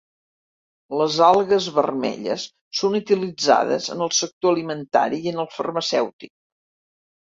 Les algues vermelles són utilitzades en el sector alimentari i en el farmacèutic.